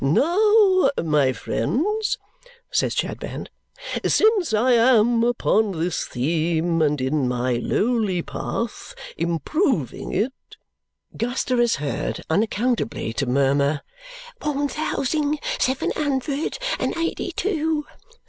"Now, my friends," says Chadband, "since I am upon this theme, and in my lowly path improving it " Guster is heard unaccountably to murmur "one thousing seven hundred and eighty two."